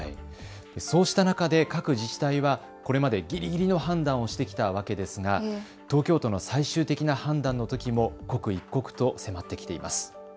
そうした中で各自治体はこれまでぎりぎりの判断をしてきたわけですが東京都の最終的な判断のときも刻一刻と迫ってきています。